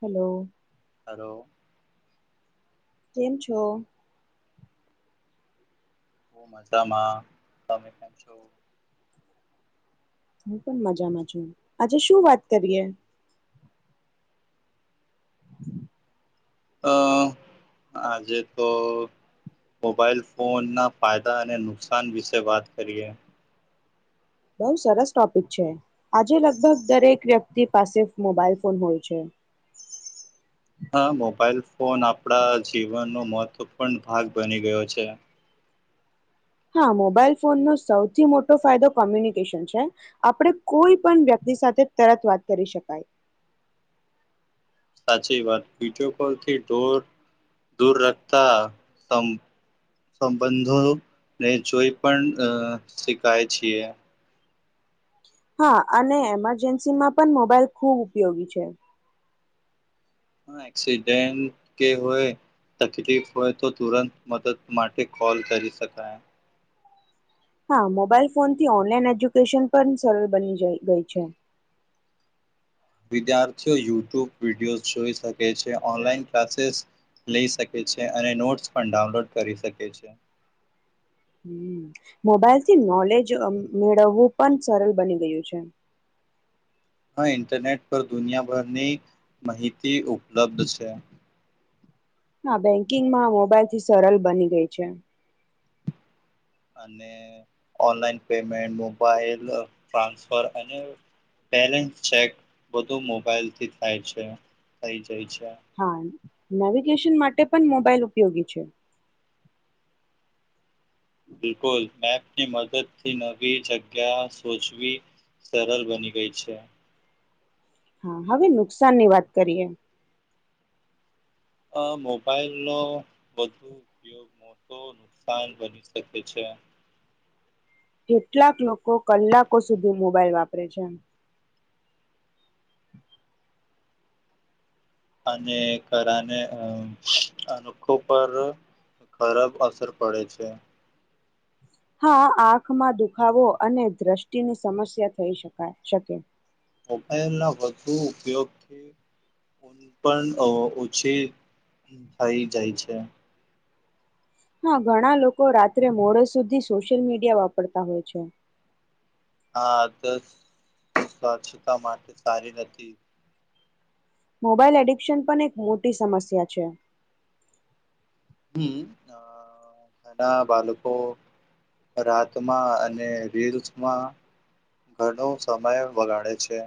Hello hello કેમ છો બ મજામાં તમેમ છો હું પણ મજામાં છું આજે શું વાત કરીએ અ આજે તો મોબાઈલ ફોન ના ફાયદા અને નુકસાન વિશે વાત કરીએ બહુ સરસ ટોપિક છે આજે લગભગ દરેક વ્યક્તિ પાસે મોબાઈલ ફોન હોય છે હા મોબાઈલ ફોન આપણા જીવનનો મહત્વપૂર્ણ ભાગ બની ગયો છે હા મોબાઈલ ફોનનો સૌથી મોટો ફાયદો કોમ્યુનિકેશન છે આપણે કોઈ પણ વ્યક્તિ સાથે તરત વાત કરી શકાય સાચી વાત વિડીયો કોલથીોર દૂર રખતા સંબંધોને જોઈ પણ શીખાય છેીએ હા અને એમરજન્સીમાં પણ મોબાઈલ ખૂબ ઉપયોગી છે હ એક્સિડેન્ટ કે હોય તકલીફ હોય તો તુરંત મદદ માટે કોલ કરી શકાય હા મોબાઈલ ફોનથી ઓનલાઈન એજ્યુકેશન પણ સરળ બની ગઈ છે વિદ્યાર્થીઓ યુટ્યુબ વિડીયો જોઈ શકે છે ઓનલાઈન ક્લાસીસ લઈ શકે છે અને નોટ્સ પણ ડાઉનલોડ કરી શકે છે હ મોબાઈલ થી નોલેજ મેળવવું પણ સરળ બની ગયું છે હા ઈન્ટરનેટ પર દુનિયાભરની માહિતી ઉપલબ્ધ છે હા બેંકિંગમાં મોબાઈલથી સરળ બની ગઈ છે અને ઓનલાઈન પેમેન્ટ મોબાઈલ ટ્રાન્સફર અને બેલેન્સ ચેક બધું મોબાઈલથી થાય છે થ [inaudible] હા નેવિગેશન માટે પણ મોબાઇલ ઉપયોગી છે. બિલકુલ મે ની મદદ થી નવી જગ્યા સોચવી સરળ બની ગઈ છે. હા હવે નુકસાનની વાત કરીએ આ મોબાઈલ નો વધુ ઉપયોગ મોટો નુકસાન બની શકે છે. કેટલાક લોકો કલાકો સુધી મોબાઈલ વાપરે છે. અને કારને અ અનોખો પર ખરાબ અસર પડે છે. હા આંખમાં દુખાવો અને દ્રષ્ટિની સમસ્યા થઈ શકાય શકે મોબાઈલ ના વધુ ઉપયોગથી પણ ઓછી થઈ જાય છે. હા ઘણા લોકો રાત્રે મોડે સુધી સોશિયલ મીડિયા વાપરતા હોય છે. હા તો સ્વચ્છતા માટે સારી નથી. મોબાાઈલ એડિક્શન પણ એક મોટી સમસ્યા છે. ઘના બાળકો રાતમાં અને રીલ્સમાં ઘણો સમય વગાડે છે.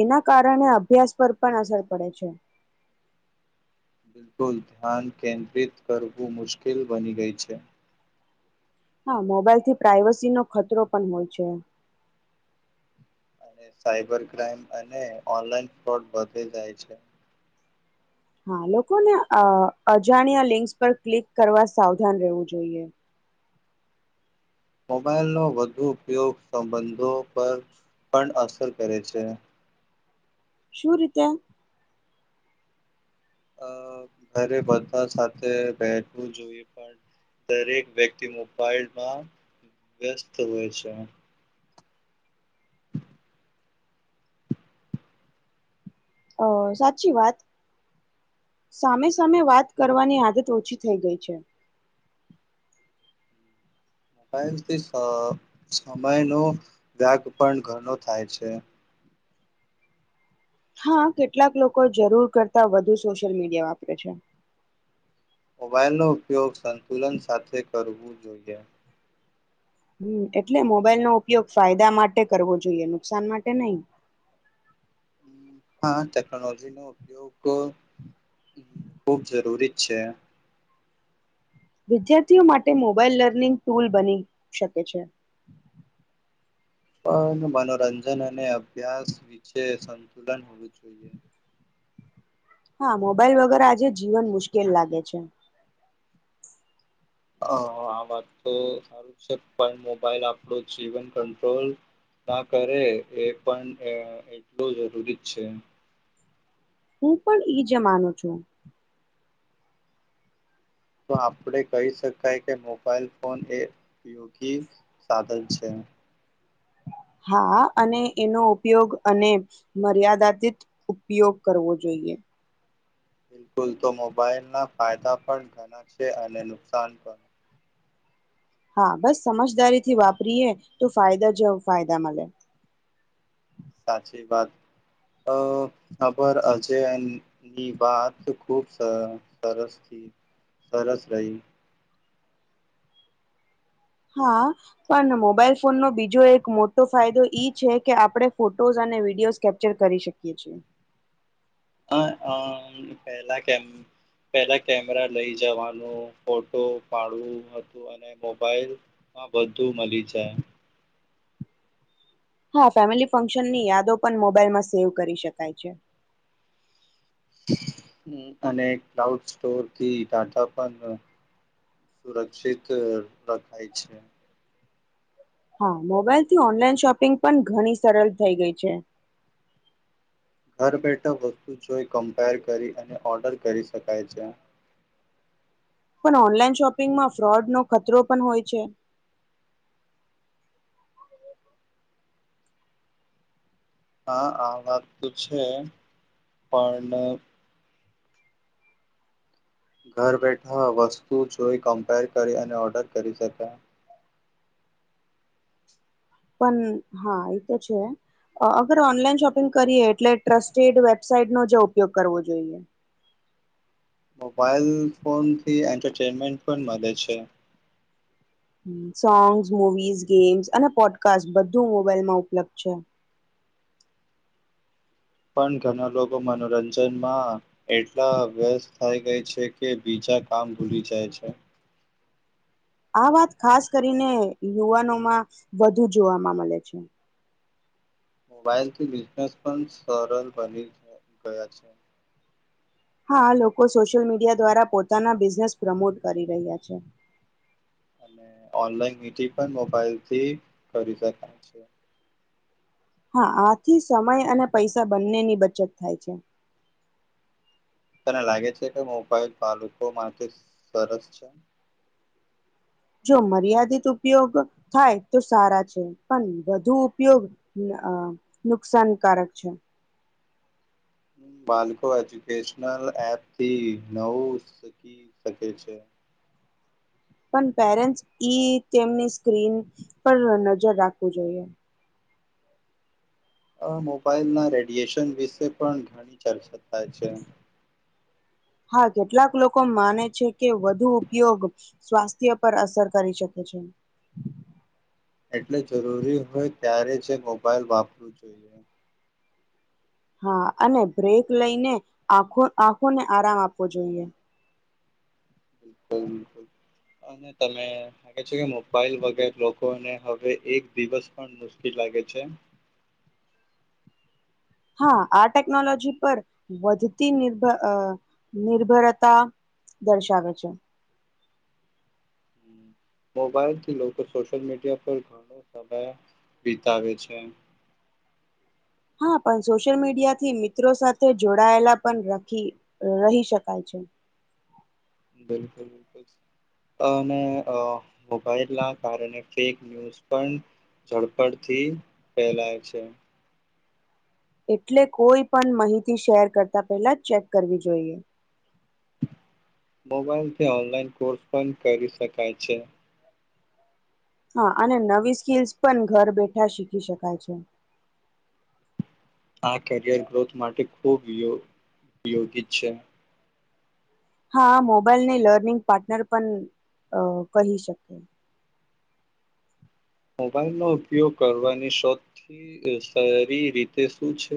એના કારણે અભ્યાસ પર પણ અસર પડે છે બિલકુલ ધ્યાન કેન્દ્રિત કરવું મુશ્કેલ બની ગઈ છે. હા મોબાઈલ થી પ્રઇવસી નો ખતરો પણ હોય છે. સાઈબર ક્રાઈમ અને ઓનલાઈન ફો વધી જાય છે. હા લોકોને અ અજાણ્યા લિંકસ પર ક્લિક કરવા સાવધાન રહેવું જોઈએ. મોબાઈલનો વધુ ઉપયોગ સંબંધો પર પણ અસર કરે છે. શું રીતે? અ ઘરે બધા સાથે બેઠવું જોઈએ પણ દરેક વ્યક્તિ મોબાઈલમાં વ્યસ્ત હોય છે. અ સાચી વાત સામે સામે વાત કરવાની આદત ઓછી થઈ ગઈ છે. મોબલથી સમયનોો વ્યાગ પણ ઘનો થાય છે. હા કેટલાક લોકો જરૂર કરતા વધુ સોશિયલ મીડિયા વાપરે છે. મોબાઈલનોો ઉપયોગ સંતુલન સાથે કરવું જોઈએ. હુમ એટલે મોબાઈલ નો ઉપયોગ ફાયદા માટે કરવો જોઈએ નુકસાન માટે નહી. હા ટેકનોલોજીનોો ઉપયોગ ખૂબ જરૂરી જ છે. વિદ્યાર્થીઓ માટે મોબાાઈલ લર્નિંગ ટૂલ બની શકે છે. પણ મનોરંજન અને અભ્યાસ વિશેે સંતુલન હોવું [inaudible] હા મોબાઈલ વગર આજે જીવન મુશ્કેલ લાગે છે. આ વાત તો સારું છે પણ મોબાઈલ આપણું જીવન કંટ્રોલ ના કરે એ પણ એટલું જરૂરી જ છે. હું પણ ઈ જ માનો છું. તો આપણે કહી શકાય કે મોબાઈલ ફોન એ ઉપયોગી સાધન છે. હા અને એનો ઉપયોગ અને મર્યાદાતિત ઉપયોગ કરવો જોઈએ. બિલકુલ તો મોબાઈલ ના ફાયદા પણ ઘણા છે અને નુકસાન પણ હા બસ સમજદારીથી વાપરીએ તો ફાયદા જવ ફાયદા મળે સાચી વાત અ ખબર અજયની વાત ખુબ સરસ થી સરસ રહી હા પણ મોબાઈલ ફોનનો બીજો એક મોટો ફાયદો ઈ છે કે આપણે ફોટોઝ અને વિડીિયોઝ કેપ્ચર કરી શકીએ છીએ પલા પહેલા કેમેરા લઈ જવાનું ફોટો પાડવું હતું અને મોબાઈલમાં બધું મળી જાય હા ફેમિલી ફંક્શનની યાદો પણ મોબાઈલમાં સેવ કરી શકાય છે. અને ક્લાઉડ સ્ટોરથી ટાટા પણ સુરક્ષિત રખાય છે હા મોબાઈલ થી ઓનલાઈન શોપિંગ પણ ઘણી સરળ થઈ ગઈ છે. ઘર બેઠા વસ્તુ જોઈ કમ્પેર કરી અને ઓર્ડર કરી શકાય છે. પણ ઓનલાઈન શોપિંગમાં ફ્રોડનો ખતરો પણ હોય છે. હા આ વાત તો છે પણ ઘર બેઠા વસ્તુ જોઈ કમ્પેર કરી અને ઓર્ડર કરી શક પણ હા એ તો છે અગર ઓનલાઈન શોપિંગ કરીએ એટલે ટ્રસ્ટેડ વેબસાઇટનોો જે ઉપયોગ કરવો જોઈએ મોબાઈલ ફોન થી એન્ટરટેનમેન્ટ પણ મળે છે. સોંગ્સ મૂવીિઝ ગેમ્સ અને પોડકાસ્ટ બધું મોબાાઈલમાં ઉપલબ્ધ છે પણ ઘણા લોકો મનોરંજનમાં એટલા વ્યસ્ત થાય ગઈ છે કે બીજા કામ ભૂલી જાય છે આ વાત ખાસ કરીને યુવાનોમાં વધુ જોવાવામાં મળે છે મોબાઈલથી બિઝનેસ પણ સરળ બની ગયા છે હા લોકો સોશિયલ મીડિયા દ્વારા પોતાના બિઝનેસ પ્રમોટ કરી રહ્યા છે અને ઓનલાઈન મિટિંગ પણ મોબાઈલથી કરી શકાય છે હા આથી સમય અને પૈસા બંનેની બચત થાય છે તને લાગે છે કે મોબાઈલ બાળકો માટે સરસ છે જો મર્યાદિત ઉપયોગ થાય તો સારા છે પણ વધુ ઉપયોગ ન અ નુકસાનકારક છે બાળકો એજ્યુકેશનલ એપ થી નવું શીખી શકે છે પણ પેરેન્ટસ ઈ તેમની સ્ક્રીન પર નજર રાખવું જોઈએ અ મોબાઈલના રેડિએેશન વિશે પણ ઘણી ચર્ચા થાય છે હા કેટલાક લોકો માને છે કે વધુ ઉપયોગ સ્વાસ્થ્ય પર અસર કરી શકે છે એટલે જરૂરી હોય ત્યારે જ મોબાઈલ વાપરવું જોઈએ હા અને બ્રેક લઈને આખો આંખોને આરામ આપવો જોઈએ બિલકુલ અને તમે લાગે છે. કે મોબાઈલ વગર લોકોને હવે એક દિવસ પણ મુશ્કેલ લાગે છે. હા આ ટેકનોલોજી પર વધતી નિર્ભ નિર્ભરતા દર્શાવે છે. હમ. મોબાઈલથી લોકો સોશિયલ મીડિયા પર ઘણો સમય વિતાવે છે. હા પણ સોશિયલ મીડિયા થી મિત્રો સાથે જોડાયેલા પણ રાખી રહી શકાય છે. બિલકુલ અને મોબાઈલ ના કારણે ફેક ન્યૂઝ પણ ઝડપડ થી ફેલાય છે. એટલે કોઈ પણ માહિતી શેર કરતા પહેલા ચેક કરવી જોઈએ. મોબાઈલથી ઓનલાઈન કોર્સ પણ કરી શકાય છે. હા અને નવી સ્કીલ્સ પણ ઘર બેઠા શીખી શકાય છે. આ કરિયર ગ્રોથ માટે ખૂબ યોગ યોગી છે. હા મોબાઈલને લર્નિંગ પાર્ટનર પણ અ કહી શકે. મોબાઈલનો ઉપયોગ કરવાની સૌથી સારી રીતે શું છે.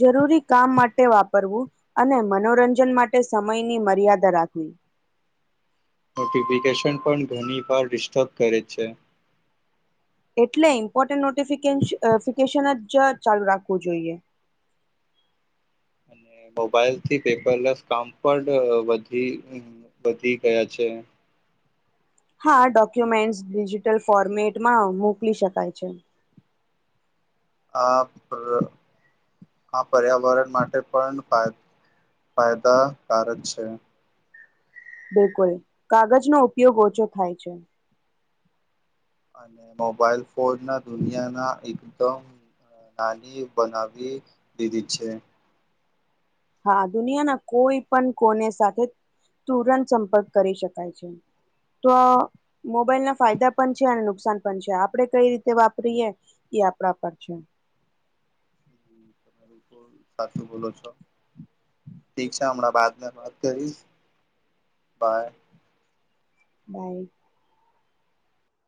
જરૂરી કામ માટે વાપરવું અને મનોરંજન માટે સમયની મર્યાદા રાખવી. નોટિફિકેશન પણ ઘણી વાર ડિસ્ટર્બ કરે છે. એટલે ઇમ્પોર્ટન્ટ નોટિફિકેશન્સ નોટિફિકેશન જ ચાલુ રાખવું જોઈએ. મોબાઈલ થી પેપરલેસ કામ પણ વધી વધી ગયા છે. હા ડોક્યુમેન્ટ્સ ડિજિટલ ફોર્મેટમાં મોકલી શકાય છે. આ આ પર્યાવરણ માટે પણ ફાયદાકારક છે. બિલકુલ કાગજનો ઉપયોગ ઓછો થાય છે. અને મોબાઈલ ફોન ના દુનિયાના એકદમ નાની બનાવી દીધી છે. હા દુનિયાના કોઈ પણ કોને સાથે તુરંત સંપર્ક કરી શકાય છે. તો મોબાઈલના ફાયદા પણ છે અને નુકસાન પણ છે. આપડે કઈ રીતે વાપરીએ એ આપણા પર છે. બ સાચું બોલો છો ઠીક છે. હમણાં બાદને વાત કરીશ બાય બાઈ